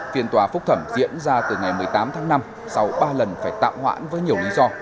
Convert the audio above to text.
phiên tòa phúc thẩm diễn ra từ ngày một mươi tám tháng năm sau ba lần phải tạm hoãn với nhiều lý do